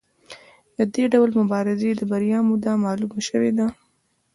د دې ډول مبارزې د بریا موده معلومه شوې ده.